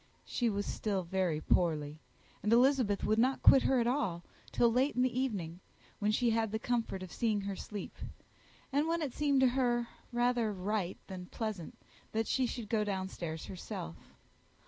She was still very poorly, and Elizabeth would not quit her at all, till late in the evening, when she had the comfort of seeing her asleep, and when it appeared to her rather right than pleasant that she should go down stairs herself.